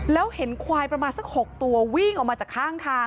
แล้วเห็นควายประมาณสัก๖ตัววิ่งออกมาจากข้างทาง